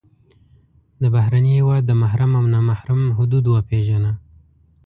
د بهرني هېواد د محرم او نا محرم حدود وپېژنه.